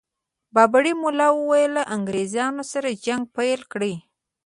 بابړي ملا ویلي انګرېزانو سره جنګ پيل کړي.